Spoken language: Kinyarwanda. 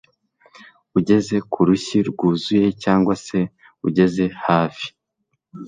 ugeze ku rushyi rwuzuye cyangwa se ugeze hafi